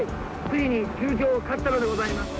ついに中京勝ったのでございます。